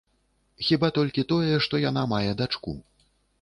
Хіба толькі тое, што яна мае дачку.